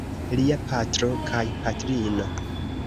Lia patro kaj patrino.